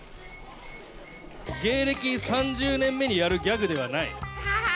芸歴３０年目にやるギャグではない。